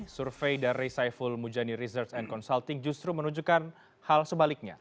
survei dari saiful mujani research and consulting justru menunjukkan hal sebaliknya